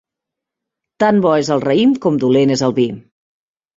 Tan bo és el raïm com dolent és el vi.